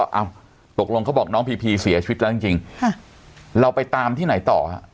เอ้าตกลงเขาบอกน้องพีพีเสียชีวิตแล้วจริงจริงค่ะเราไปตามที่ไหนต่อฮะ